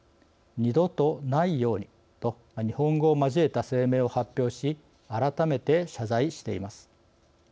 二度とないように」と日本語を交えた声明を発表し改めて謝罪しています。